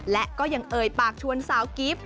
และก็ยังเอ่ยปากชวนสาวกิฟต์